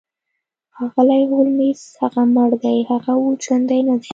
ښاغلی هولمز هغه مړ دی هغه اوس ژوندی ندی